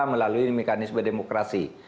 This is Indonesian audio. melalui mekanisme demokrasi